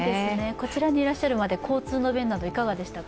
こちらにいらっしゃるまで交通の便などいかがでしたか？